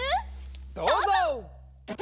どうぞ！